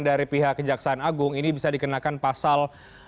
dari pihak kejaksaan agung ini bisa dikenakan pasal